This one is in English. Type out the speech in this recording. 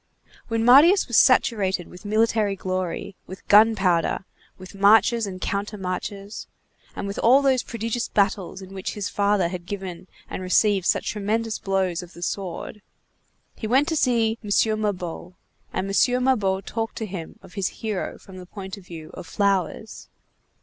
When Marius was saturated with military glory, with gunpowder, with marches and countermarches, and with all those prodigious battles in which his father had given and received such tremendous blows of the sword, he went to see M. Mabeuf, and M. Mabeuf talked to him of his hero from the point of view of flowers.